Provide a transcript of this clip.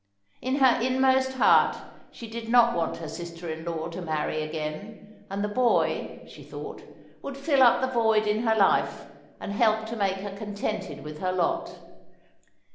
In her inmost heart she did not want her sister in law to marry again, and the boy, she thought, would fill up the void in her life, and help to make her contented with her lot.